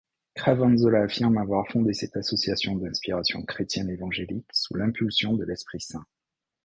Cravanzola affirme avoir fondé cette association d'inspiration chrétienne évangélique sous l'impulsion de l'Esprit-Saint.